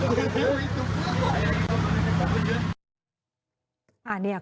ตรงที่เปลี่ยวตรงพึง